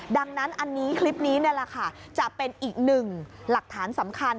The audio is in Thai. ดังนั้นคลิปนี้จะเป็นอีกหนึ่งหลักฐานสำคัญ